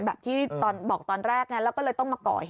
แบบที่ตอนบอกตอนแรกนะแล้วก็เลยต้องมาก่อเหตุ